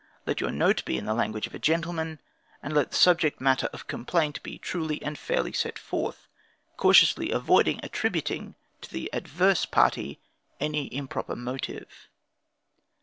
Let your note be in the language of a gentleman, and let the subject matter of complaint be truly and fairly set forth, cautiously avoiding attributing to the adverse party any improper motive.